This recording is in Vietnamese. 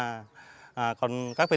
còn các vấn đề khác nữa